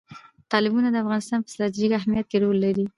تالابونه د افغانستان په ستراتیژیک اهمیت کې رول لري.